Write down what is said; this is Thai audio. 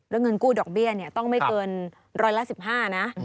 แล้วเงินกู้ดอกเบี้ยต้องไม่เกินร้อยละ๑๕นะ